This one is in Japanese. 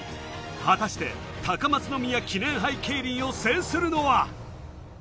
果たして高松宮記念杯競輪を制するのは。